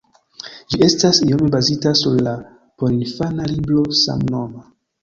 Ĝi estas iome bazita sur la porinfana libro samnoma.